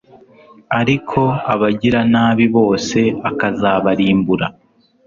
ariko abagiranabi bose akazabarimbura